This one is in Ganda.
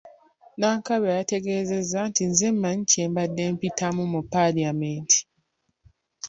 Nankabirwa yategeezezza nti, “Nze mmanyi kye mbadde mpitamu mu Paalamenti."